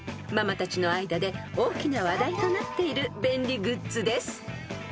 ［ママたちの間で大きな話題となっている便利グッズです］